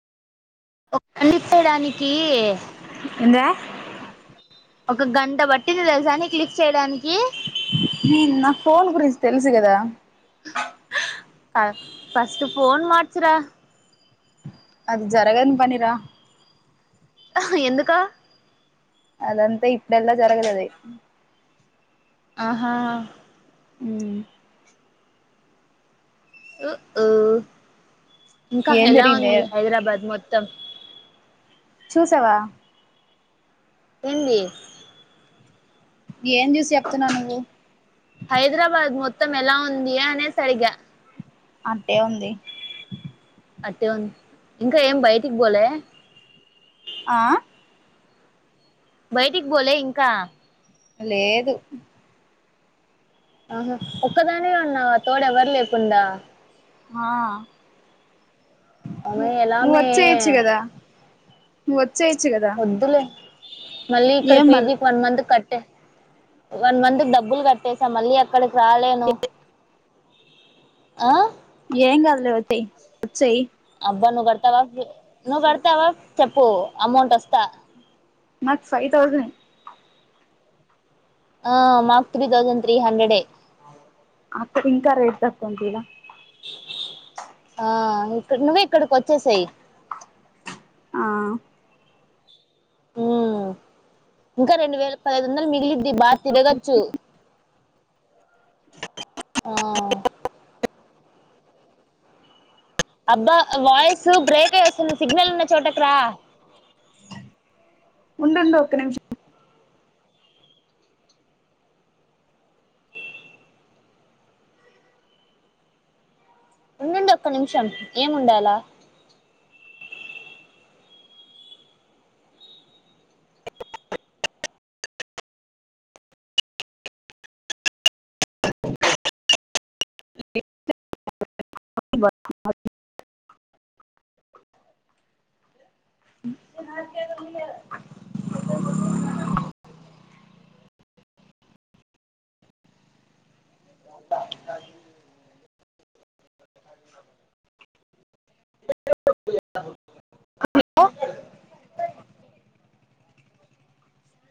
ఒక పండిపోవడానికి. ఏంద్రా ఒక గంట పట్టింది తెలుసా నీకు లిఫ్ట్ చేయడానికీ. నేను నా ఫోన్ గురించి తెలుసు కదా. ఆహ్ ఫస్ట్ ఫోన్ మార్చు రా. అది జరగని పనిరా. ఆహ ఎందుక అదంతా ఇప్పుడెలా జరగదది అహ ఊ ఊ ఉ ఇంకా ఏం ఎలా జరిగిందే ఉంది హైదరాబాద్ మొత్తం చూసావా ఉంది ఏం చూసి చెప్తున్నావ్ నువ్వు హైదరాబాద్ మొత్తం ఎలా ఉంది అనేసి అడిగా అట్టే ఉంది అట్టే ఉంది ఇంకా ఏం బయటికి పోలే ఆ బయటికి బోలే ఇంకా లేదు ఆహా ఒక్కదానే ఉన్నావా తోడ్ ఎవరు లేకుండా ఆ ఆమె ఎలా నువ్ మే వచ్చేయచ్చు కదా నువ్ వచ్చేయచ్చు కదా వద్దులే మళ్ళీ ఇక్కడ ఏం మళ్ళ పీజీకి one month cut one month డబ్బులు కట్టేసా మళ్ళీ అక్కడికి రాలేను ఆ ఏం కాదులే వచ్చె వచ్చేయి అబ్బా నువ్వు కడతావా ఫి నువ్వు కడతావా చెప్పు అమౌంట్ వస్తా మక్ ఫైవ్ థౌసండ్ ఆ మాక్ త్రీ తౌసండ్ త్రీ హండ్రెడే అక్కడ ఇంకా రేట్ తక్కువుంది కదా ఆ ఇక్కడ నువ్వే ఇక్కడికి వచ్చేసేయి ఆ ఊ ఇంకా రెండు వేలు పదైదు వందలు మిగిలి ది బా తిరగచ్చు అ అబ్బా వాయిసు బ్రేక అయి వస్తుంది సిగ్నల్ ఉన్న చోటకు రా ఉండుండు ఒక్క నిమిష ఏముండాలా హలో